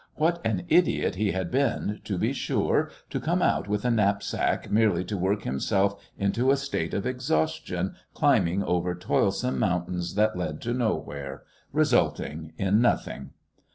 What an idiot he had been, to be sure, to come out with a knapsack merely to work himself into a state of exhaustion climbing over toilsome mountains that led to nowhere resulted in nothing.